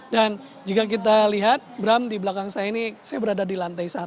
dan jika kita lihat bram di belakang saya ini saya berada di lantai satu